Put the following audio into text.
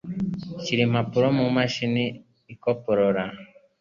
Shira impapuro mumashini ikoporora.